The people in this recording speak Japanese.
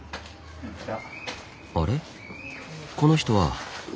この人は。